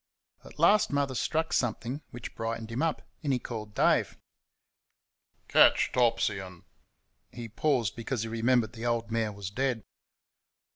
At last Mother struck something which brightened him up, and he called Dave. "Catch Topsy and " He paused because he remembered the old mare was dead.